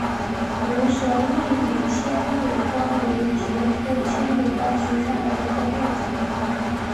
无舌异羽千里光为菊科千里光属下的一个变种。